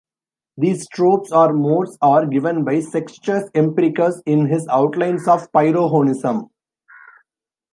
These "tropes" or "modes" are given by Sextus Empiricus in his "Outlines of Pyrrhonism".